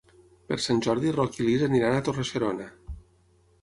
Per Sant Jordi en Roc i na Lis aniran a Torre-serona.